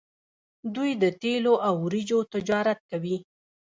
دوی د تیلو او وریجو تجارت کوي.